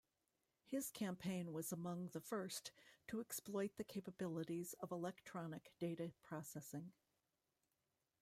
His campaign was among the first to exploit the capabilities of electronic data processing.